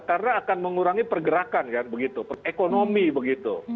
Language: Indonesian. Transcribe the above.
karena akan mengurangi pergerakan ya begitu ekonomi begitu